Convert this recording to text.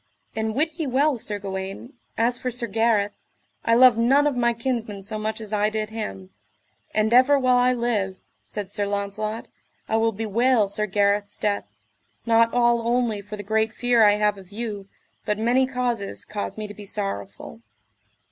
And wit ye well Sir Gawaine, as for Sir Gareth, I love none of my kinsmen so much as I did him; and ever while I live, said Sir Launcelot, I will bewail Sir Gareth's death, not all only for the great fear I have of you, but many causes cause me to be sorrowful.